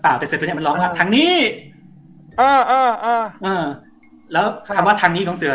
แต่เสือตัวเนี้ยมันร้องว่าทางนี้เออเออเออแล้วคำว่าทางนี้ของเสือ